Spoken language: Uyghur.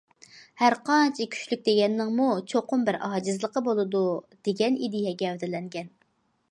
ھەرقانچە كۈچلۈك دېگەننىڭمۇ چوقۇم بىر ئاجىزلىقى بولىدۇ، دېگەن ئىدىيە گەۋدىلەنگەن.